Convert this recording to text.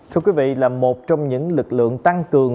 thưa quý vị là một trong những lực lượng tăng cường